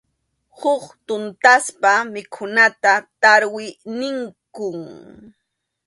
Huk tuntaspa mikhunata tarwi ninkum.